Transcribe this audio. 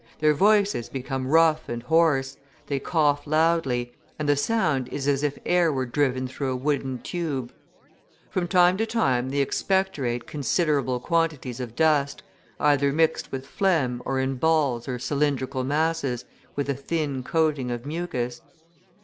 Their voices become rough and hoarse, they cough loudly, and the sound is as if air were driven through a wooden tube. From time to time they expectorate considerable quantities of dust, either mixed with phlegm or in balls or cylindrical masses, with a thin coating of mucus.